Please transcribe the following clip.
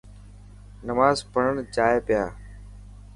نماز پڙهڻ جائي پيا.